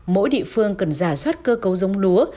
mỗi địa phương cần giả soát cơ cấu giống lúa